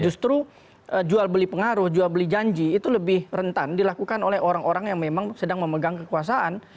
justru jual beli pengaruh jual beli janji itu lebih rentan dilakukan oleh orang orang yang memang sedang memegang kekuasaan